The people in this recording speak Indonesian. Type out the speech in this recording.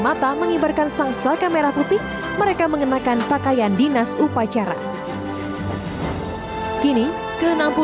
mata mengibarkan sang saka merah putih mereka mengenakan pakaian dinas upacara kini ke enam puluh